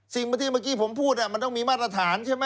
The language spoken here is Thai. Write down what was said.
ที่เมื่อกี้ผมพูดมันต้องมีมาตรฐานใช่ไหม